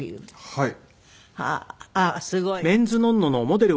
はい。